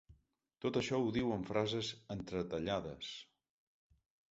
Tot això ho diu en frases entretallades.